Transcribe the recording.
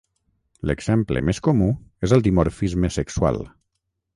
L'exemple més comú és el dimorfisme sexual.